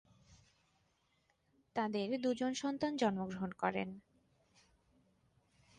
তাদের দুইজন সন্তান জন্মগ্রহণ করেন।